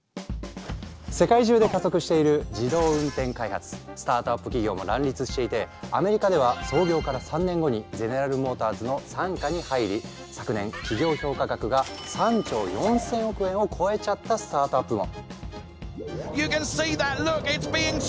世界中で加速しているスタートアップ企業も乱立していてアメリカでは創業から３年後にゼネラルモーターズの傘下に入り昨年企業評価額が３兆４，０００億円を超えちゃったスタートアップも！